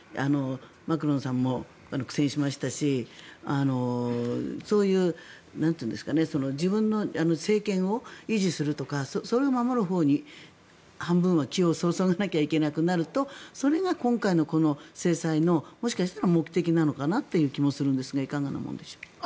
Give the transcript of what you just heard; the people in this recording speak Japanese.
マクロンさんも苦戦しましたしそういう自分の政権を維持するとかそれを守るほうに半分は、気を注がなければいけないとなるとそれが今回の制裁のもしかしたら目的なのかなという気もするんですがいかがなものでしょうか。